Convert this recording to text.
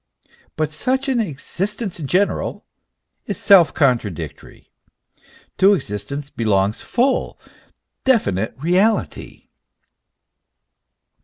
But such an " existence in general" is self contra dictory. To existence belongs full, definite reality.